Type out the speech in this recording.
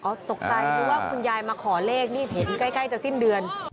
ตกใจเพราะว่าคุณยายมาขอเลขนี่เห็นใกล้จะสิ้นเดือน